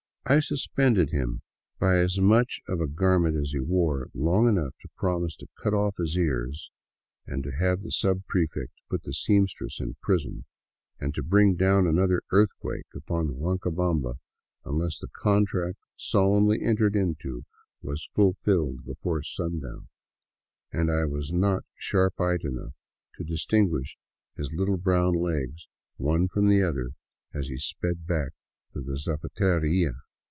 I suspended him by as much of a garment as he wore long enough to promise to cut off his ears, to have the subprefect put the seamstress in prison, and to bring down another earthquake upon Huancabamba unless the contract solemnly entered into was fulfilled before sundown; and I was not sharp eyed enough to distinguish his little brown legs one from the other as he sped back to the zapateria.